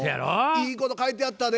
いいこと書いてあったで。